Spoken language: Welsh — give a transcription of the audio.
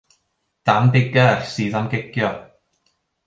Dan Biggar sydd am gicio.